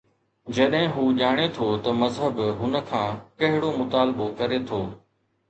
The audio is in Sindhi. جڏهن هو ڄاڻي ٿو ته مذهب هن کان ڪهڙو مطالبو ڪري ٿو؟